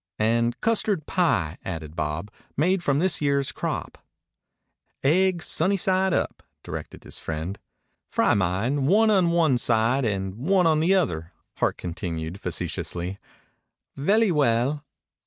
"And custard pie," added Bob. "Made from this year's crop." "Aigs sunny side up," directed his friend. "Fry mine one on one side and one on the other," Hart continued facetiously. "Vely well."